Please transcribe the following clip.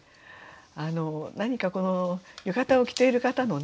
何かこの浴衣を着ている方のね